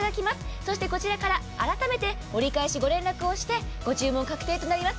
そして、こちらから改めて折り返しご連絡をしてご注文確定となります。